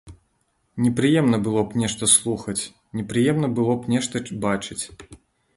Непрыемна было б нешта слухаць, непрыемна было б нешта бачыць.